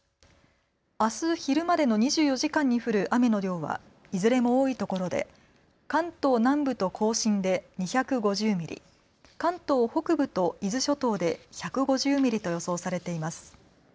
明日昼までの２４時間に降る雨の量はいずれも多いところで関東南部と甲信で２５０ミリ関東北部と伊豆諸島で１５０ミリと予想されています。